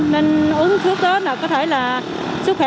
nên uống thuốc đó có thể là sức khỏe